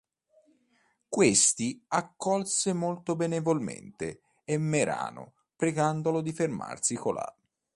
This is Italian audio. Questi accolse molto benevolmente Emmerano pregandolo di fermarsi colà.